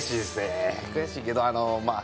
悔しいけどまあ